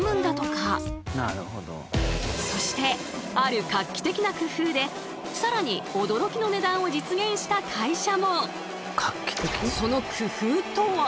そしてある画期的な工夫で更に驚きの値段を実現した会社も。